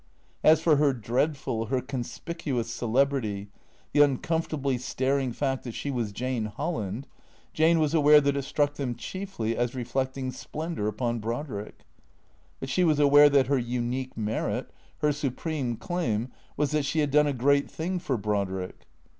As for her dreadful, her conspicuous celebrity, the uncomfortably staring fact that she was Jane Holland, Jane was aware that it struck them chiefly as reflecting splendour upon Brodrick. But she was aware that her unique merit, her supreme claim, was that she had done a great thing for Brodrick.